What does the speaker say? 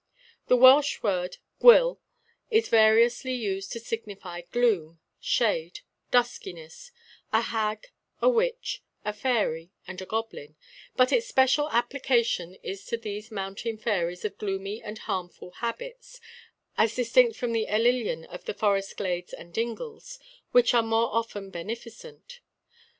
The Welsh word gwyll is variously used to signify gloom, shade, duskiness, a hag, a witch, a fairy, and a goblin; but its special application is to these mountain fairies of gloomy and harmful habits, as distinct from the Ellyllon of the forest glades and dingles, which are more often beneficent.